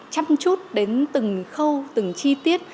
chăm chút đến từng khâu từng chi tiết